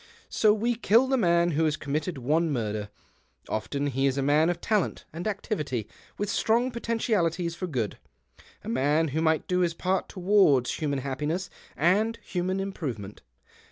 So we kill the man who has committed one murder. Often he is a man of talent and activity ; with strong potentialities for good, a man who might do his part towards human happiness and human improvement.